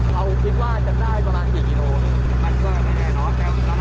เราคิดว่าจะได้ประมาณกี่กิโนมันก็ไม่แน่น้องแจ้ว